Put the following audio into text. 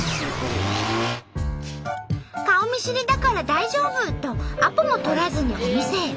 顔見知りだから大丈夫とアポも取らずにお店へ。